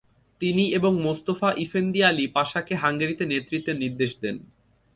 তিনি এবং Mustafa Efendi Ali পাশাকে হাঙ্গেরিতে নেতৃত্বের নির্দেশ দেন।